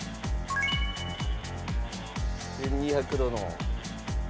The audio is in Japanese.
１２００度の。